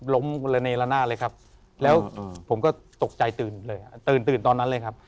ล้มระเนละนาเลยครับแล้วผมก็ตกใจตื่นเลยครับ